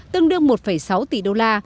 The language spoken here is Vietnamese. tương đương một sáu tỷ đô la